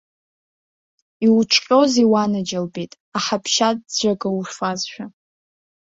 Иуҿҟьозеи, уанаџьалбеит, аҳаԥшьаӡәӡәага уфазшәа.